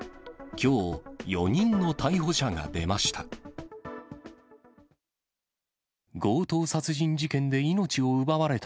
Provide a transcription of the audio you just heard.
きょう、４人の逮捕者が出ました。